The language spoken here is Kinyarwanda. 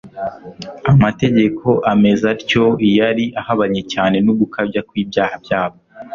Amategeko ameze atyo yari ahabanye cyane n'ugukabya kw'ibyaha byabo,